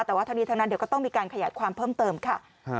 แต่ว่าทั้งนี้ทั้งนั้นเดี๋ยวก็ต้องมีการขยายความเพิ่มเติมค่ะ